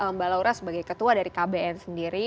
mbak laura sebagai ketua dari kbn sendiri